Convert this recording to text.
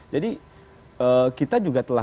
jadi kita juga telah